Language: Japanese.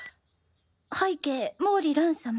「拝啓毛利蘭様。